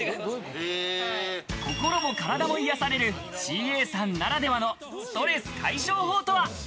心も体も癒されるＣＡさんならではのストレス解消法とは？